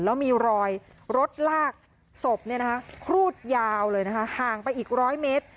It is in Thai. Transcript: แล้วมีรอยรถลากสบเนี่ยนะคะครูดยาวเลยนะคะห่างไปอีก๑๐๐เมตร